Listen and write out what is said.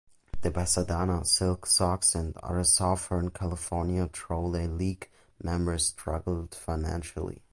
The Pasadena Silk Sox and other Southern California Trolley League members struggled financially.